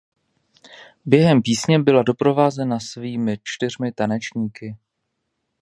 Během písně byla doprovázena svými čtyřmi tanečníky.